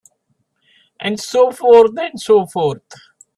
And so forth and so forth.